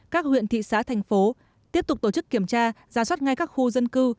các huyện thị xã thành phố tiếp tục tổ chức kiểm tra giả soát ngay các khu dân cư